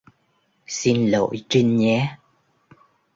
Xin lỗi Trinh nhé